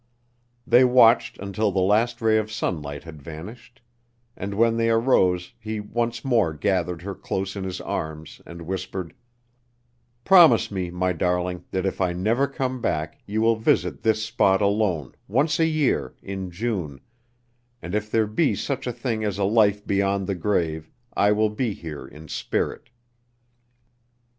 They watched until the last ray of sunlight had vanished, and when they arose he once more gathered her close in his arms and whispered: "Promise me, my darling, that if I never come back you will visit this spot alone, once a year, in June, and if there be such a thing as a life beyond the grave, I will be here in spirit."